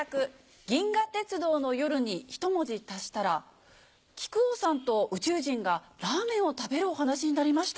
『銀河鉄道の夜』にひと文字足したら木久扇さんと宇宙人がラーメンを食べるお話になりました。